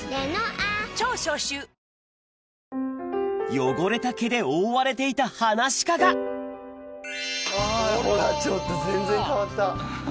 汚れた毛で覆われていたハナシカがほらちょっと全然変わった！